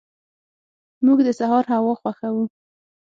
موږ د سهار هوا خوښو.